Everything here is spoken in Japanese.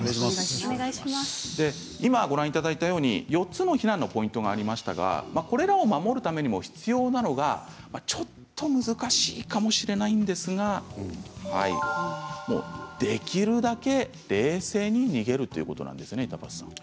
今、ご覧いただいたように４つの避難のポイントがありましたがこれらを守るためにも必要なのがちょっと難しいかもしれないんですができるだけ冷静に逃げるということなんですね。